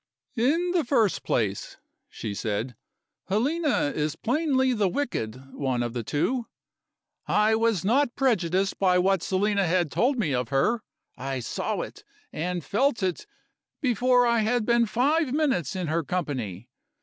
"In the first place," she said, "Helena is plainly the wicked one of the two. I was not prejudiced by what Selina had told me of her: I saw it, and felt it, before I had been five minutes in her company.